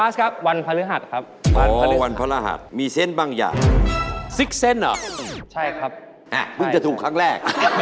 ส่าคุณวีหนักก็คือ